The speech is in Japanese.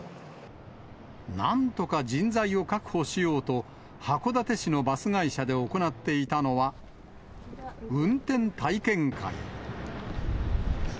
なんとか人材を確保しようと、函館市のバス会社で行っていたのは、運転体験会。